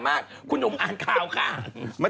โมดดำเขารัก